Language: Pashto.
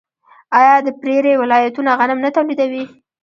آیا د پریري ولایتونه غنم نه تولیدوي؟